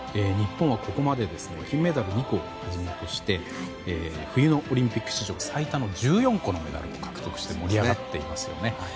日本はここまで金メダル２個をはじめとして冬のオリンピック史上最多の１４個のメダルを獲得して盛り上がっていますよね。